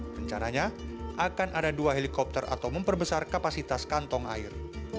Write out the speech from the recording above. rencananya akan ada dua helikopter atau memperbesar kapasitas kantong air